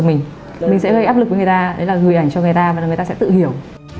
mình sẽ gây áp lực với người ta gửi ảnh cho người ta và người ta sẽ tự hiểu